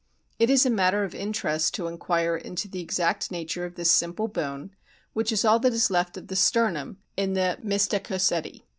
It is a matter of interest to inquire into the exact nature of this simple bone, which is all that is left of the sternum in the Mystacoceti.